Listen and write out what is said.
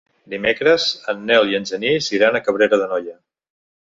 Dimecres en Nel i en Genís iran a Cabrera d'Anoia.